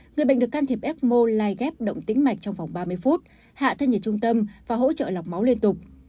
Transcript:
người bệnh được can thiệp ecmo lai ghép động tính mạch trong vòng ba mươi phút hạ thân nhiệt trung tâm và hỗ trợ lọc máu liên tục